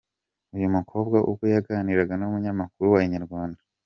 Uyu mukobwa ubwo yaganiraga n’umunyamakuru wa Inyarwanda.